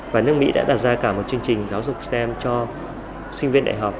và nước mỹ đã đặt ra cả một chương trình giáo dục stem cho sinh viên đại học